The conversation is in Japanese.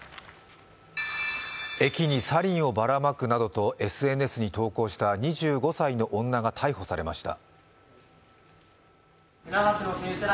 駅にサリンをばらまくなどとＳＮＳに投稿した２５歳の女が逮捕されました。